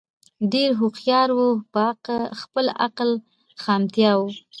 ډېر هوښیار وو په خپل عقل خامتماوو